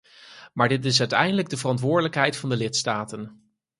Maar dit is uiteindelijk de verantwoordelijkheid van de lidstaten.